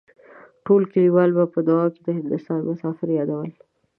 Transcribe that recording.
ټولو کليوالو به په دعاوو کې د هندوستان مسافر يادول.